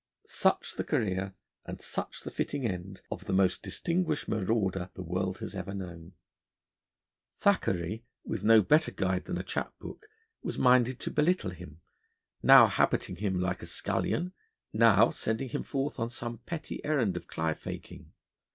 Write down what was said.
Such the career and such the fitting end of the most distinguished marauder the world has known. Thackeray, with no better guide than a chap book, was minded to belittle him, now habiting him like a scullion, now sending him forth on some petty errand of cly faking.